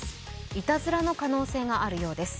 いたずらの可能性があるようです。